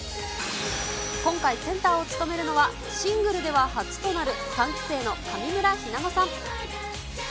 今回、センターを務めるのは、シングルでは初となる３期生の上村ひなのさん。